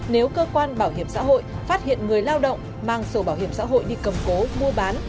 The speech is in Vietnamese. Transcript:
nếu cơ quan bảo hiểm xã hội phát hiện người lao động mang sổ bảo hiểm xã hội đi cầm cố mua bán